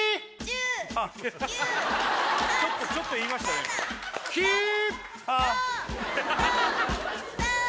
ちょっとちょっと言いましたねおおー！